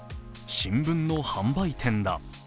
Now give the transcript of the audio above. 新聞の販売店だ。